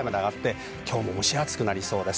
今日も蒸し暑くなりそうです。